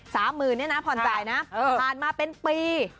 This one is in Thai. ๓๐๐๐๐เนี่ยนะผ่อนจ่ายนะผ่านมาเป็นปี